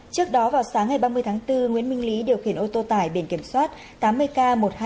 trước đó vào sáng ngày ba mươi tháng bốn nguyễn minh lý điều khiển ô tô tải biển kiểm soát tám mươi k một nghìn hai trăm ba